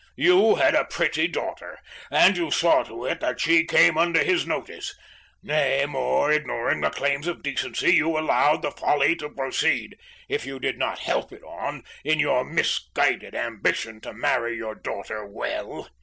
You had a pretty daughter, and you saw to it that she came under his notice; nay, more, ignoring the claims of decency, you allowed the folly to proceed, if you did not help it on in your misguided ambition to marry your daughter well."